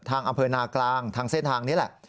อำเภอนากลางทางเส้นทางนี้แหละ